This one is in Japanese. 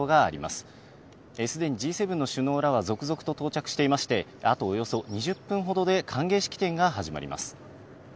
すでにＧ７の首脳らは続々と到着していまして、あとおよそ２０分ほどで歓迎式典が始まります。